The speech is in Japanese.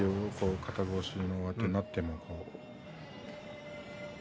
肩越しの上手になっても。